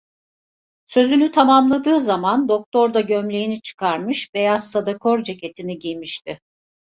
Sözünü tamamladığı zaman doktor da gömleğini çıkarmış, beyaz sadakor ceketini giymişti.